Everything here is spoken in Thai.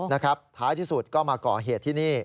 ท้ายที่สุดก็มาก่อเหตุที่นี่